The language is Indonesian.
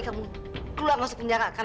kemana budak teh